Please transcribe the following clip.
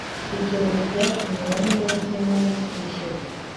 Ibyo ngo byatumye bamwe batemera kwishyura